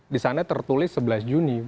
di sana tertulis sebelas juni